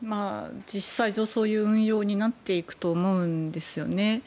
実際、そういう運用になっていくと思うんですよね。